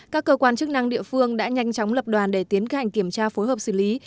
các cơ quan chức năng địa phương đã nhanh chóng lập đoàn để tiến hành kiểm tra phối hợp xử lý